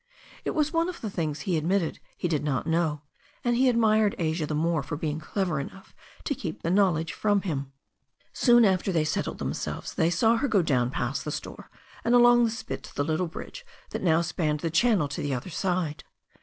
It was one of the things he admitted he did not know, and he admired Asia the more for being clever enough to keep the knowledge from him. Soon after they settled themselves they saw her go down past the store, and along the spit to the little bridge that now spanned the channel to the other side.